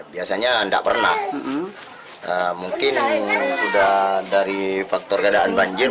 biasanya tidak pernah mungkin sudah dari faktor keadaan banjir